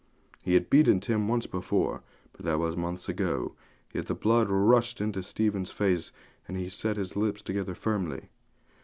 He had beaten Tim once before, but that was months ago; yet the blood rushed into Stephen's face, and he set his lips together firmly.